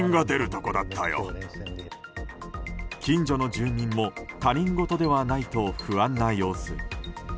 近所の住民も他人事ではないと不安な様子。